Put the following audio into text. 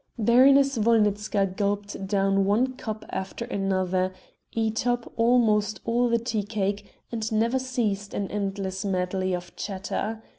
Baroness Wolnitzka gulped down one cup after another, eat up almost all the tea cake, and never ceased an endless medley of chatter.